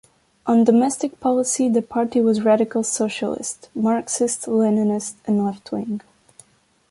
On domestic policy, the party was radical socialist, Marxist-Leninist and left-wing.